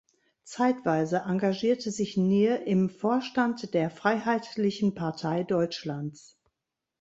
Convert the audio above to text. Zeitweise engagierte sich Nier im Vorstand der Freiheitlichen Partei Deutschlands.